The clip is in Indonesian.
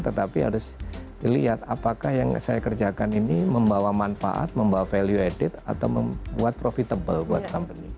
tetapi harus dilihat apakah yang saya kerjakan ini membawa manfaat membawa value added atau membuat profitable buat company